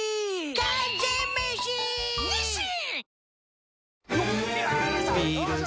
完全メシ！ニッシン！